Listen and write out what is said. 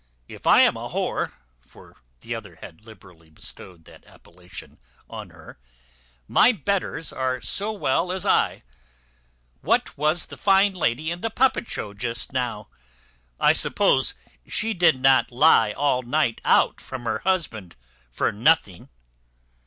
If I am a w e" (for the other had liberally bestowed that appellation on her), "my betters are so as well as I. What was the fine lady in the puppet show just now? I suppose she did not lie all night out from her husband for nothing."